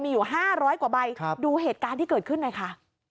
มีอยู่ห้าร้อยกว่าใบครับดูเหตุการณ์ที่เกิดขึ้นไงค่ะ